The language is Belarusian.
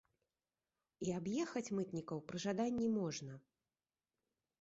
І аб'ехаць мытнікаў пры жаданні можна.